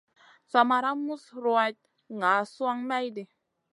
Sa ma mus ruwatn ŋa suan mayɗi.